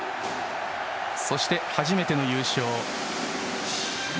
そして初めての優勝。